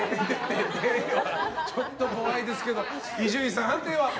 ちょっと怖いですけど伊集院さん、判定は？